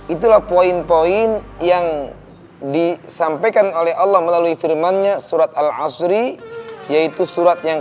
itulah poin poin yang disampaikan oleh allah melalui firmannya surat al asri yaitu surat yang